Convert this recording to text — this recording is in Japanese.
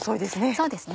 そうですね